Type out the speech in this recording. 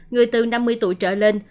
người từ năm mươi tuổi trở lên